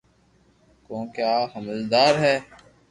ڪونڪھ آ ھمجدار ھي